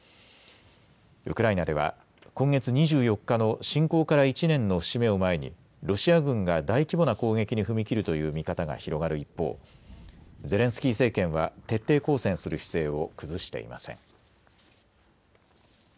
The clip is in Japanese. ウクライナでは今月２４日の侵攻から１年の節目を前にロシア軍が大規模な攻撃に踏み切るという見方が広がる一方、ゼレンスキー政権は徹底抗戦する姿勢を崩していません。